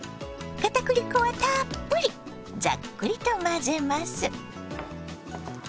かたくり粉はたっぷりざっくりと混ぜます。